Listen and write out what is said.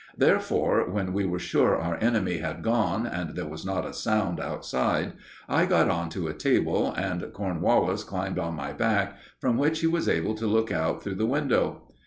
Therefore, when we were sure our enemy had gone, and there was not a sound outside, I got on to a table, and Cornwallis climbed on my back, from which he was able to look out through the window.